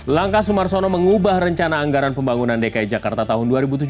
langkah sumarsono mengubah rencana anggaran pembangunan dki jakarta tahun dua ribu tujuh belas